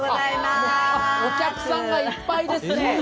お客さんがいっぱいですね。